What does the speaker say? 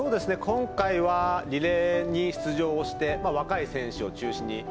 今回はリレーに出場して若い選手を中心に。